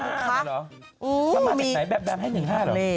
แบบแบมให้๑๕หรอ